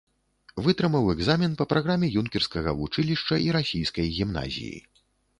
Вытрымаў экзамен па праграме юнкерскага вучылішча і расійскай гімназіі.